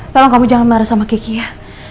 tolong kamu jangan marah sama kiki ya